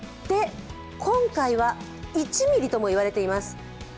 今回は、１ｍｍとも言われています。